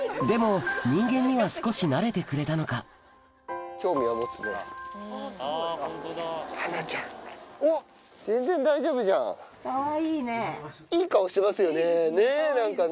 でも人間には少しなれてくれたのかハナちゃんおっ全然大丈夫じゃん。